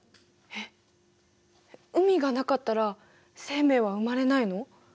えっ海がなかったら生命は生まれないの？